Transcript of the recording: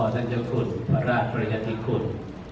ท่านเจ้าคุณพระราชปริยธิคุณ